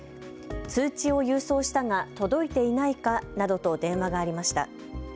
通知を郵送したが届いていないかなどと電話がありました。